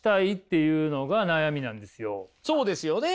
そうですよね。